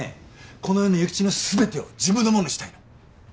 この世の諭吉の全てを自分のもんにしたいの。